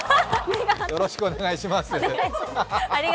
よろしくお願いします。